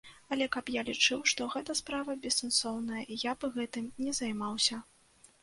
Але каб я лічыў, што гэта справа бессэнсоўная, я б гэтым не займаўся.